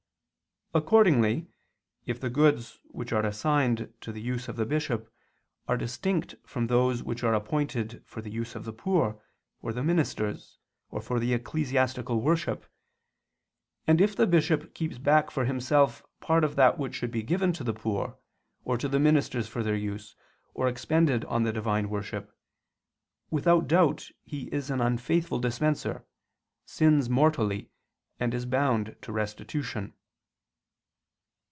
Accordingly if the goods which are assigned to the use of the bishop are distinct from those which are appointed for the use of the poor, or the ministers, or for the ecclesiastical worship, and if the bishop keeps back for himself part of that which should be given to the poor, or to the ministers for their use, or expended on the divine worship, without doubt he is an unfaithful dispenser, sins mortally, and is bound to restitution.